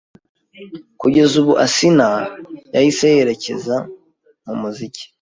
kugeza ubu Asinah yahise yerekeza mu muziki